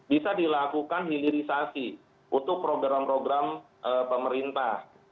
bisa dilakukan hilirisasi untuk program program pemerintah